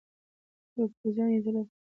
پوځیان یې تلف شول.